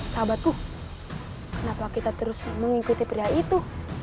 sahabatku kenapa kita terus mengikuti pria itu